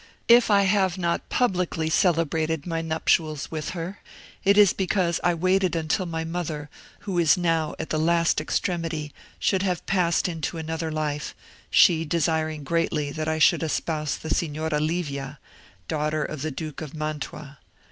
If I have not publicly celebrated my nuptials with her, it is because I waited until my mother, who is now at the last extremity, should have passed to another life, she desiring greatly that I should espouse the Signora Livia, daughter of the Duke of Mantua.